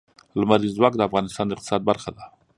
لمریز ځواک د افغانستان د اقتصاد برخه ده.